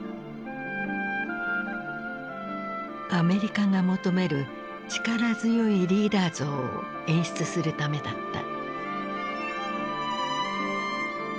アメリカが求める力強いリーダー像を演出するためだった。